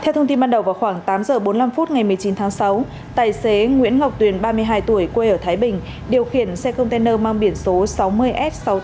theo thông tin ban đầu vào khoảng tám h bốn mươi năm phút ngày một mươi chín tháng sáu tài xế nguyễn ngọc tuyền ba mươi hai tuổi quê ở thái bình điều khiển xe container mang biển số sáu mươi f sáu trăm tám mươi tám